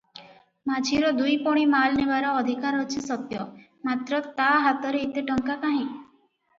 ମାଝିର ଦୁଇପଣି ମାଲ ନେବାର ଅଧିକାର ଅଛି ସତ୍ୟ; ମାତ୍ର ତା ହାତରେ ଏତେ ଟଙ୍କା କାହିଁ?